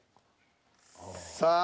さあ。